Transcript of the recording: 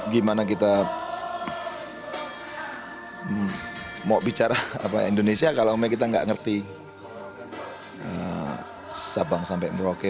gimana kita mau bicara indonesia kalau kita nggak ngerti sabang sampai merauke